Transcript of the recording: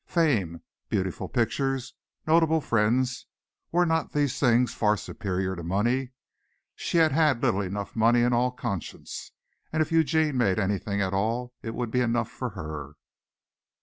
Fame, beautiful pictures, notable friends, were not these things far superior to money? She had had little enough money in all conscience, and if Eugene made anything at all it would be enough for her.